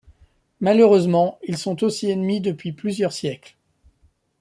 Malheureusement, ils sont aussi ennemis depuis plusieurs siècles.